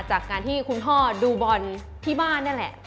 จากการที่คุณพ่อดูบอลที่บ้านนี่แหละ